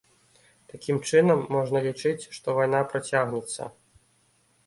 Такім чынам, можна лічыць, што вайна працягнецца.